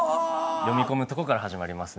読み込むとこから始まりますね